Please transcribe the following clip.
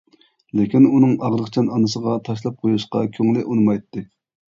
لېكىن ئۇنىڭ ئاغرىقچان ئانىسىغا تاشلاپ قويۇشقا كۆڭلى ئۇنىمايتتى.